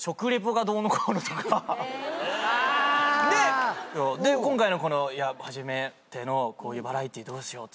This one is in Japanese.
で今回のこの初めてのこういうバラエティどうしようっつったら。